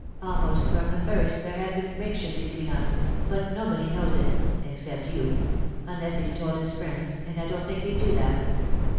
Almost from the first, there has been friction between us, but nobody knows it, except you unless he's told his friends, and I don't think he'd do that.